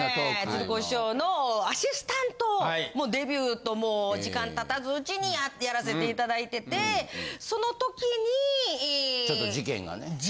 鶴光師匠のアシスタントをもうデビューともう時間たたずうちにやらせていただいててそのときに。